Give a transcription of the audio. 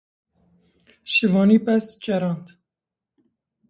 Şivanî pez çerand.